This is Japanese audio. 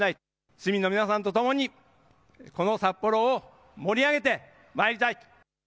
市民の皆さんとともにこの札幌を盛り上げてまいりたい。